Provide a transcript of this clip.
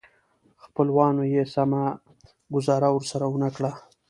خپلوانو یې سمه ګوزاره ورسره ونه کړه.